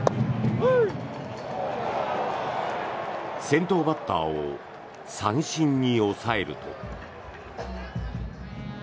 先頭バッターを三振に抑えると。